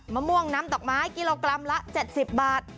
มะม่วงน้ำดอกไม้กิโลกรัมละ๗๐บาท